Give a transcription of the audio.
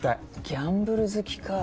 ギャンブル好きか。